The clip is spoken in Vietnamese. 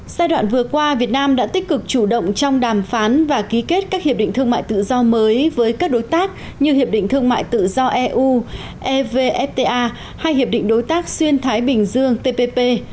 giai đoạn vừa qua việt nam đã tích cực chủ động trong đàm phán và ký kết các hiệp định thương mại tự do mới với các đối tác như hiệp định thương mại tự do eu evfta hai hiệp định đối tác xuyên thái bình dương tpp